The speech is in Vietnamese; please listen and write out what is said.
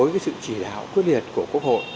các quyết liệt của quốc hội